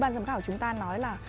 ban giám khảo chúng ta nói là